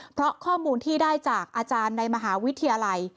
เพราะข้อมูลที่ได้จากอาจารย์ในมหาวิทยาลัย